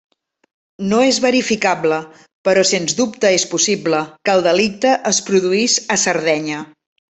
No és verificable, però sens dubte és possible, que el delicte es produís a Sardenya.